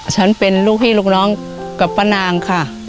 ฉันเป็นลูกพี่ลูกน้องกับป้านางค่ะ